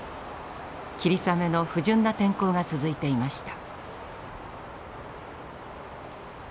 霧雨の不順な天候が続いていました。